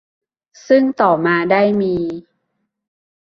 ซึ่งต่อมาได้มี